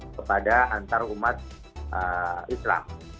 kepada antarumat islam